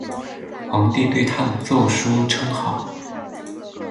皇帝对他的奏疏称好。